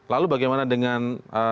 lalu bagaimana dengan